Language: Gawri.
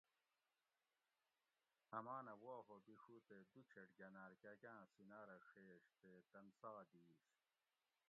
امانہ وا ہو بِیڛو تے دو چھیٹ گھناۤر کاکاۤں سیناۤ رہ ڛیش تے تن ساہ دِیش